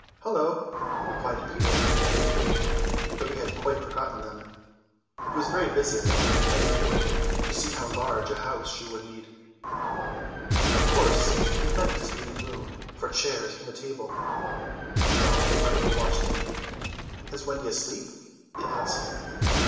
"Hullo," replied Peter amicably, though he had quite forgotten them. He was very busy at the moment measuring Wendy with his feet to see how large a house she would need. Of course he meant to leave room for chairs and a table. John and Michael watched him. "Is Wendy asleep?" they asked.